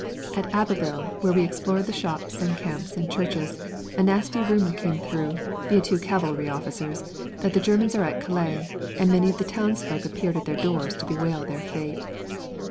At Abbeville, where we explored the shops and camps and churches, a nasty rumour came through, via two cavalry officers, that the Germans are at Calais, and many of the townsfolk appeared at their doors to bewail their fate.